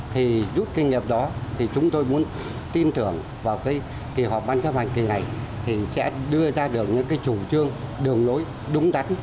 thì rút kinh nghiệm đó thì chúng tôi muốn tin tưởng vào cái kỳ họp ban chấp hành kỳ này thì sẽ đưa ra được những cái chủ trương đường lối đúng đắn